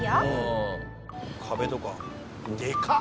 壁とかでかっ！